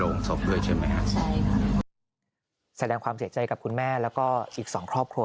รองเท้าสนทักที่เตรียมจะไปเตรียมบอลค่ะ